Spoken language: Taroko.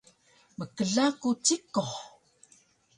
mkla ku cikuh